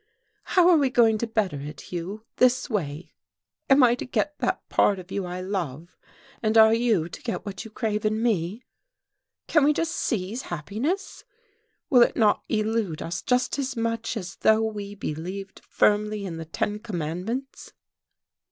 "How are we going to better it, Hugh, this way? Am I to get that part of you I love, and are you to get what you crave in me? Can we just seize happiness? Will it not elude us just as much as though we believed firmly in the ten commandments?"